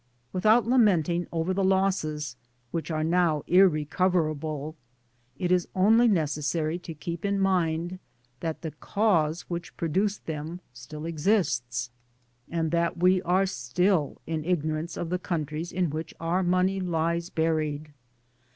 Without lamenting over losses which are now irrecoverable, it is only necessary to keep in mind, that the Cause which produced them still exists, and that we are still in ignorance of the countries in which our money lies buried.